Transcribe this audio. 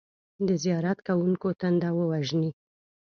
د زیارت کوونکو تنده ووژني.